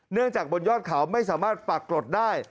จากบนยอดเขาไม่สามารถปรากฏได้